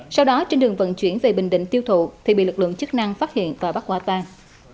sau đó trên đường vận chuyển về bình định tiêu thụ thì bị lực lượng chức năng phát hiện và bắt quả tang